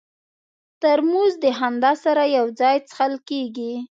ترموز د خندا سره یو ځای څښل کېږي.